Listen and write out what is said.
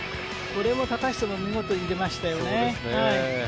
これも高橋さんも見事に入れましたよね。